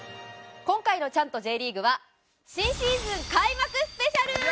今回の『チャント！！Ｊリーグ』は新シーズン開幕スペシャル！